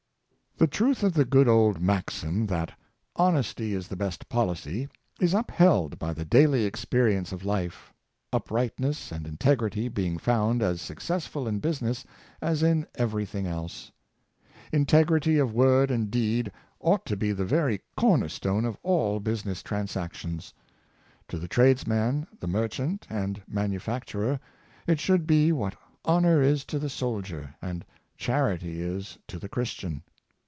The truth of the good old maxim, that " Honesty is the best policy," is upheld by the daily experience of life, uprightness and integrity being found as successful in business as in every thing else. Integrity of word and deed ought to be the very corner stone of all busi ness transactions. To the tradesman, the merchant, and manufacturer, it should be what honor is to the sol dier, and charity is to the Christian.